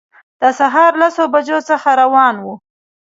د سهار لسو بجو څخه روان وو.